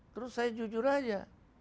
terus saya jujur saja